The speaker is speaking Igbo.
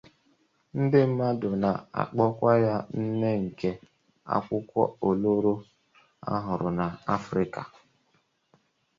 Ndi mmadụ na akpọ kwa ya nne nke akwụkwọ oloro ohụrụ na Africa.